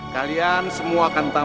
kamu sudah jahat